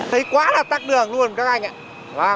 thấy quá là tắc đường luôn các anh ạ